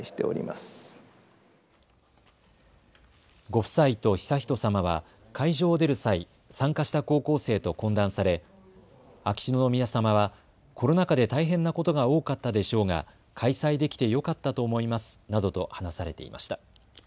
ご夫妻と悠仁さまは会場を出る際、参加した高校生と懇談され、秋篠宮さまはコロナ禍で大変なことが多かったでしょうが開催できて良かったと思いますなどと話されていました。